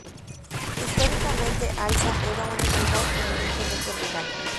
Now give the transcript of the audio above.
Históricamente, Alza era una entidad eminentemente rural.